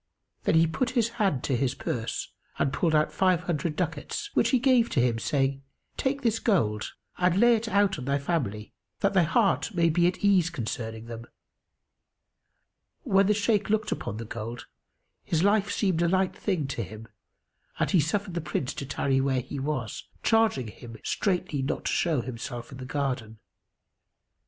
Then he put his hand to his purse and pulled out five hundred ducats, which he gave to him saying, "Take this gold and lay it out on thy family, that thy heart may be at ease concerning them." When the Shaykh looked upon the gold, his life seemed a light thing to him[FN#283] and he suffered the Prince to tarry where he was, charging him straitly not to show himself in the garden.